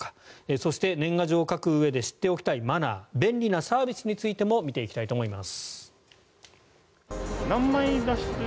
そして、年賀状を書くうえで知っておきたいマナー便利なサービスについても見ていきたいと思います。